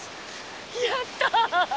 やった！